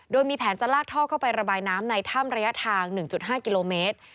โดยมีแผนจะลากท่อเข้าไประบายน้ำในถ้ำระยะทาง๑๕กิโลเมตร